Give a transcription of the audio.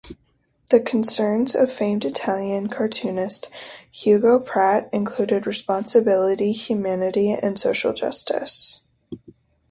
The concerns of famed Italian cartoonist Hugo Pratt included responsibility, humanity, and social justice.